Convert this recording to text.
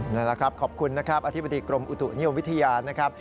นั่นล่ะครับขอบคุณอธิบาทีกรมอุตุนิยมวิทยา